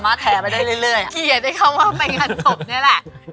ไปหาโมงนะแหละ